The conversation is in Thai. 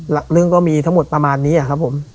เรื่องก็มีทั้งหมดประมาณนี้ครับผม